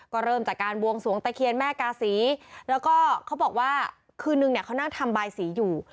ก็เริ่มจากการบวงสวงตะเคียนแม่กาศีแล้วก็เขาบอกว่าคืนนึงเนี่ยเขานั่งทำบายสีอยู่